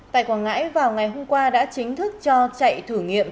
tại quảng ngãi vào ngày hôm qua đã chính thức cho chạy thử nghiệm